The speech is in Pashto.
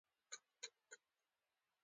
چې د باران او واورې اوبه د ځمکې پر مخ بهېږي.